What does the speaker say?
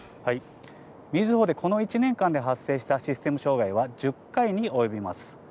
みずほでこの１年間で発生したシステム障害は１０回に及びます。